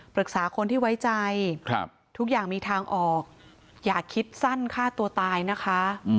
ปรึกษาคนที่ไว้ใจทุกอย่างมีทางออกอย่าคิดสั้นฆ่าตัวตายนะคะ